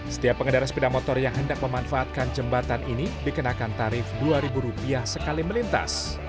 setiap pengendara sepeda motor yang hendak memanfaatkan jembatan ini dikenakan tarif rp dua sekali melintas